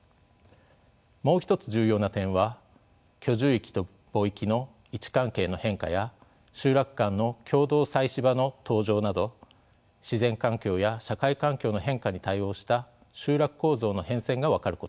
もう一つ重要な点は居住域と墓域の位置関係の変化や集落間の共同祭祀場の登場など自然環境や社会環境の変化に対応した集落構造の変遷が分かることです。